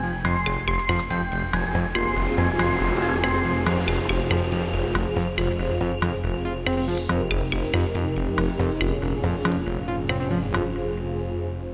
kita akan berjalan di jalan yang sama